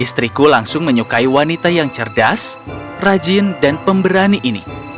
istriku langsung menyukai wanita yang cerdas rajin dan pemberani ini